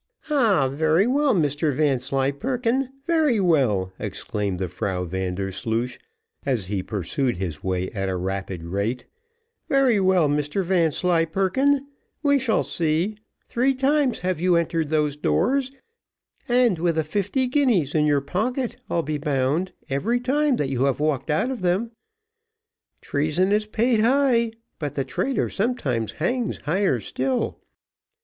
"Ah, very well, Mr Vanslyperken very well," exclaimed the Frau Vandersloosh, as he pursued his way at a rapid rate; "very well, Mr Vanslyperken we shall see three times have you entered those doors, and with a fifty guineas in your pocket, I'll be bound, every time that you have walked out of them. Treason is paid high, but the traitor sometimes hangs higher still.